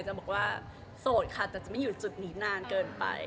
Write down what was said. จะบอกว่าโสดค่ะแต่จะไม่อยู่จุดนี้นานเกินไป